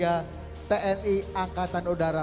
selamat malam semoga kembali ke kesehatan udara